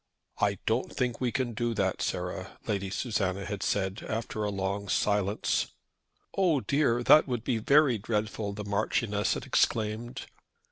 "I don't think we can do that, Sarah," Lady Susanna had said after a long silence. "Oh dear! that would be very dreadful!" the Marchioness had exclaimed.